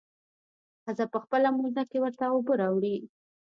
ښځه په خپله موزه کښې ورته اوبه راوړي.